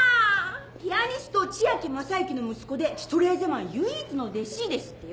「ピアニスト千秋雅之の息子でシュトレーゼマン唯一の弟子」ですってよ。